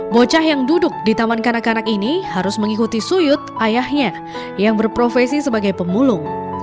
bocah yang duduk di taman kanak kanak ini harus mengikuti suyut ayahnya yang berprofesi sebagai pemulung